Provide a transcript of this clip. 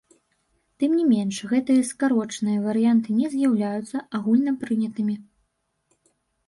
Тым не менш, гэтыя скарочаныя варыянты не з'яўляюцца агульнапрынятымі.